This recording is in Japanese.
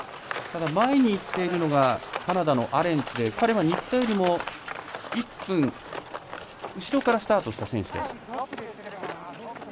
前にいっているのがカナダのアレンツで新田よりも１分後ろからスタートした選手です。